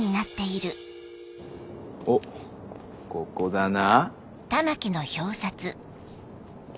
おっここだな。